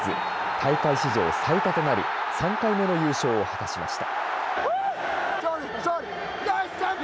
大会史上最多となる３回目の優勝を果たしました。